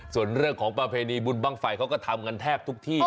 ส่วนเรื่องของประเพณีบุญบ้างไฟเขาก็ทำกันแทบทุกที่